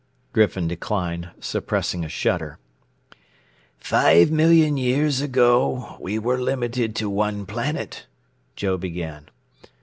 Griffin declined, suppressing a shudder. "Five million years ago we were limited to one planet," Joe began.